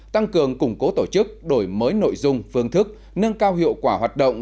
tăng cường củng cố tổ chức đổi mới nội dung phương thức nâng cao hiệu quả hoạt động